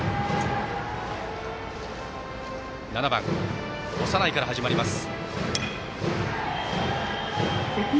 ７番、長内から始まります。